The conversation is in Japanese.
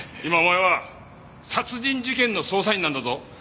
今お前は殺人事件の捜査員なんだぞ！